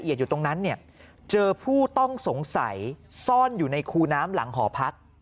อยู่ในคู่น้ำหลังหอพัก